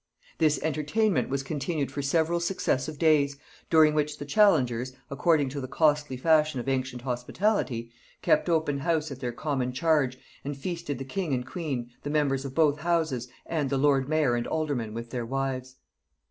This entertainment was continued for several successive days, during which the challengers, according to the costly fashion of ancient hospitality, kept open house at their common charge, and feasted the king and queen, the members of both houses, and the lord mayor and aldermen with their wives.